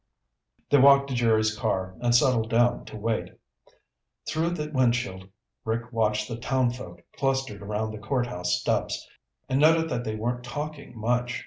They walked to Jerry's car and settled down to wait. Through the windshield Rick watched the townfolk clustered around the courthouse steps and noted that they weren't talking much.